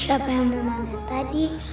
siapa yang membunuhmu tadi